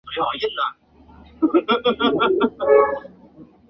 她与同为浙江选手的叶诗文是好友。